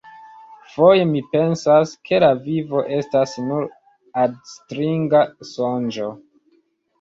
Foje mi pensas, ke la vivo estas nur adstringa sonĝo.